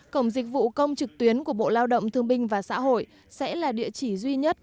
cổng dịch vụ công trực tuyến của bộ lao động thương binh và xã hội sẽ là địa chỉ duy nhất